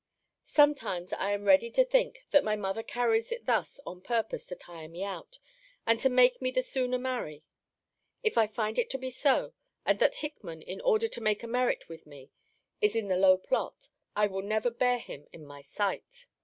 Sometimes I am ready to think, that my mother carries it thus on purpose to tire me out, and to make me the sooner marry. If I find it to be so, and that Hickman, in order to make a merit with me, is in the low plot, I will never bear him in my sight.